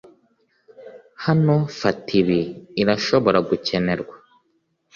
hano. fata ibi. irashobora gukenerwa